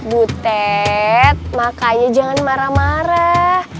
butet makanya jangan marah marah